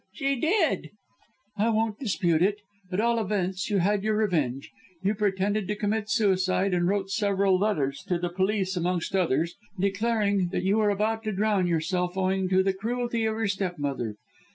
"She did!" "I won't dispute it. At all events you had your revenge. You pretended to commit suicide, and wrote several letters to the police amongst others declaring that you were about to drown yourself owing to the cruelty of your stepmother.